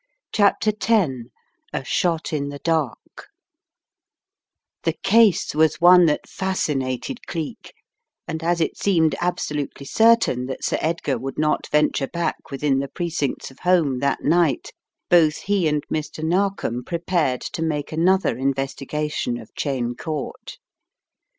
CHAPTER X A SHOT IN THE DARK THE case was one that fascinated Cleek, and as it seemed absolutely certain that Sir Edgar would not venture back within the precincts of home that night, both he and Mr. Narkom pre pared to make another investigation of Cheyne Court.